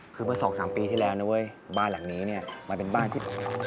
คือเมื่อสองสามปีที่แล้วนะเว้ยบ้านหลังนี้เนี่ยมันเป็นบ้านที่